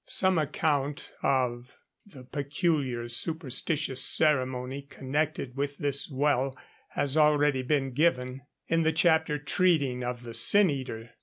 Some account of the peculiar superstitious ceremony connected with this well has already been given, in the chapter treating of the sin eater.